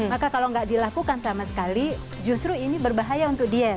maka kalau nggak dilakukan sama sekali justru ini berbahaya untuk dia